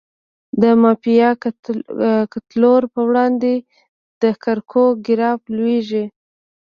د مافیایي کلتور په وړاندې د کرکو ګراف لوړیږي.